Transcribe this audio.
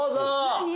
何？